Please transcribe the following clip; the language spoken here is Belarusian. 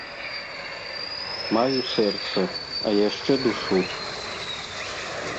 Маю сэрца, а яшчэ душу.